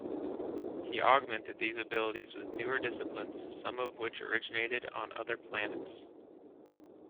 He augmented these abilities with newer disciplines, some of which originated on other planets.